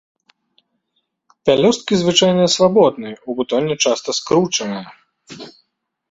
Пялёсткі звычайна свабодныя, у бутоне часта скручаныя.